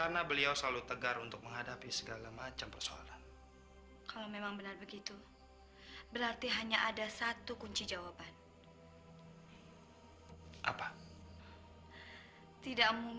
nonton rcti ya di aplikasi rcti plus